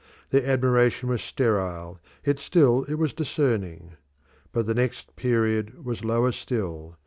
Their admiration was sterile, yet still it was discerning. But the next period was lower still.